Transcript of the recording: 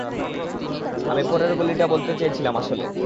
আমি পরের গলিটা বলতে চেয়েছিলাম আসলে।